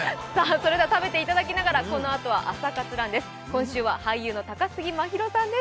それでは食べていただきながらこのあとは「朝活ＲＵＮ」です。